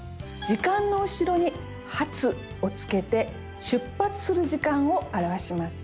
時間の後ろに「発」を付けて出発する時間を表します。